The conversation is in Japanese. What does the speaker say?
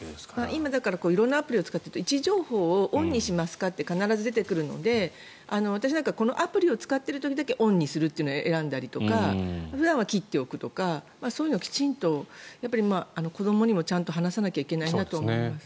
今、色んなアプリを使っていると位置情報をオンにしますかって必ず出てくるので私なんかはこのアプリを使っている時だけオンにするというのを選んだりとか普段は切っておくとかそういうのをきちんと子どもにもちゃんと話さないといけないなと思います。